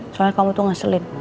soalnya kamu tuh ngeselin